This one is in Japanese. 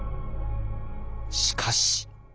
しかし。